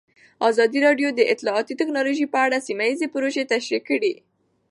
ازادي راډیو د اطلاعاتی تکنالوژي په اړه سیمه ییزې پروژې تشریح کړې.